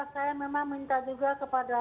saya memang minta juga kepada